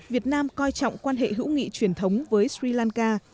việt nam coi trọng quan hệ hữu nghị truyền thống với sri lanka